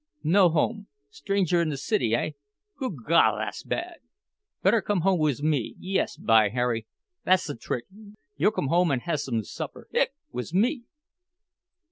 "No home! Stranger in the city, hey? Goo' God, thass bad! Better come home wiz me—yes, by Harry, thass the trick, you'll come home an' hassome supper—hic—wiz me!